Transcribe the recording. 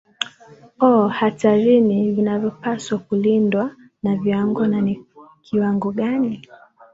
o hatarini vinavyopaswa kulindwa na viwango na ni kiwango gani